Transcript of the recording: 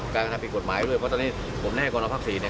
การทำผิดกฎหมายด้วยเพราะตอนนี้ผมได้ให้กรณฑภักษี